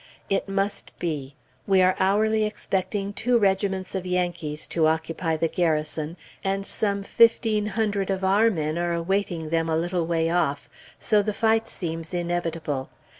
It must be! We are hourly expecting two regiments of Yankees to occupy the Garrison, and some fifteen hundred of our men are awaiting them a little way off, so the fight seems inevitable.